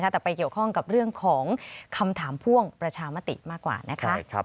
แต่ไปเกี่ยวข้องกับเรื่องของคำถามพ่วงประชามติมากกว่านะคะ